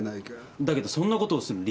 だけどそんなことをする理由が？